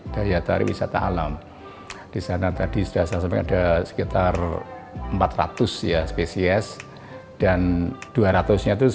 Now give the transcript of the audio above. daya tarik wisata alam di sana tadi sudah saya sampaikan ada sekitar empat ratus ya spesies dan dua ratus nya itu